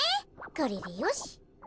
これでよし。